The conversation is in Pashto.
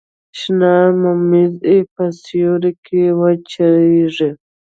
شنه ممیز په سیوري کې وچیږي.